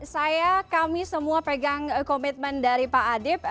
saya kami semua pegang komitmen dari pak adib